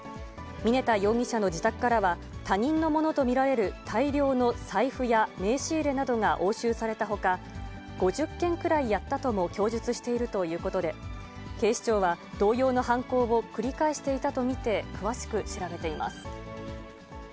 峯田容疑者の自宅からは、他人のものと見られる大量の財布や名刺入れなどが押収されたほか、５０件くらいやったとも供述しているということで、警視庁は、同様の犯行を繰り返していたと見て、詳しく調べています。